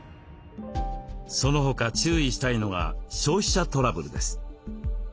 その他注意したいのが消費者トラブルです。